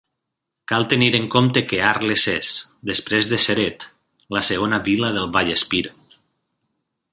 Cal tenir en compte que Arles és, després de Ceret, la segona vila del Vallespir.